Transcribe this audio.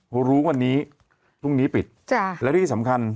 ทำงานครบ๒๐ปีได้เงินชดเฉยเลิกจ้างไม่น้อยกว่า๔๐๐วัน